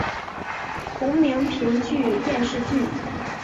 同名评剧电视剧